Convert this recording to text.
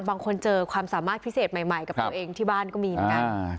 บางคนเจอความสามารถพิเศษใหม่กับตัวเองที่บ้านก็มีเหมือนกัน